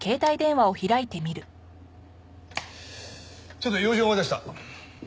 ちょっと用事を思い出した。